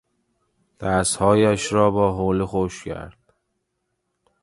دستهایش را با حوله خشک کرد.